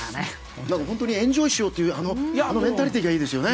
本当にエンジョイしようというあのメンタリティーがいいですよね。